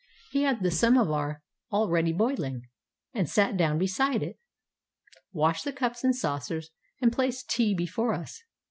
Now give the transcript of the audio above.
He had the samovar already boiling, and sat down beside it, washed the cups and saucers, and placed tea before us.